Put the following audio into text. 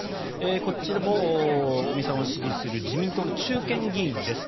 こちらも尾身さんを支持する自民党の中堅議員です。